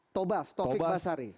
tobas taufik basari